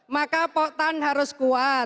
maka potan harus kuat